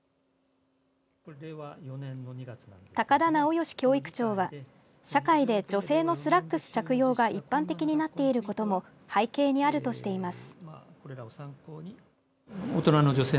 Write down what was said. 高田直芳教育長は社会で女性のスラックス着用が一般的になっていることも背景にあるとしています。